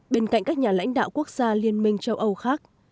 bên cạnh các nhà lãnh đạo quốc gia liên minh châu âu khác